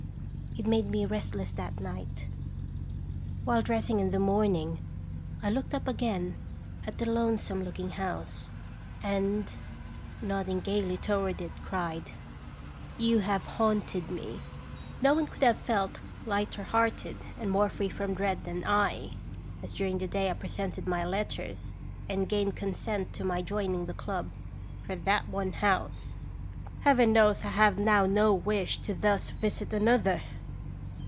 It made me restless that night. While dressing in the morning, I looked up again at the lonesome looking house, and, nodding gayly toward it, cried :" You have haunted me/" No one could have felt lighter hearted and more free from dread than I, as during the day I presented my letters, and gained consent to my joining the club "for that one house. " Heaven knows I have now no wish to thus visit another